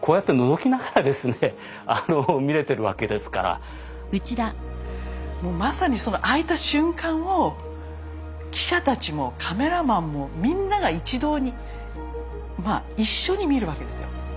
それがもうもうまさにその開いた瞬間を記者たちもカメラマンもみんなが一同に一緒に見るわけですよ。